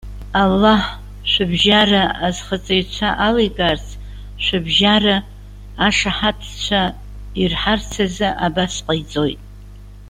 Аллаҳ, шәыбжьара азхаҵаҩцәа аликаарц, шәыбжьара ашаҳаҭцәа ирҳарц азы абас ҟаиҵоит.